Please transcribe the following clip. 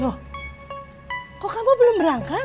loh kok kamu belum berangkat